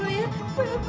maintenerz dulu ya